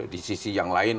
di sisi yang lain